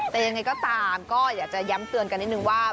แต่ยังไงก็ตามก็อยากจะย้ำเตือนกันนิดนึงว่า